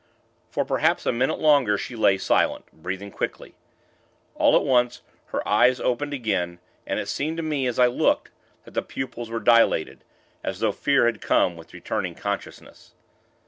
For, perhaps a minute longer, she lay silent, breathing quickly. All at once, her eyes opened again, and it seemed to me, as I looked, that the pupils were dilated, as though fear had come with returning consciousness.